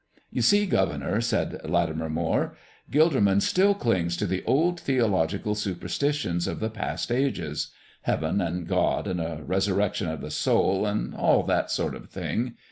"You see, governor," said Latimer Moire, "Gilderman still clings to the old theological superstitions of the past ages heaven and God and a resurrection of the soul and all that sort of thing.